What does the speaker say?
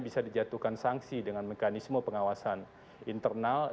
bisa dijatuhkan sanksi dengan mekanisme pengawasan internal